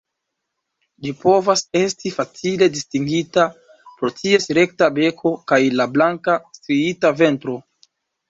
Ĝi povas esti facile distingita pro ties rekta beko kaj la blanka striita ventro.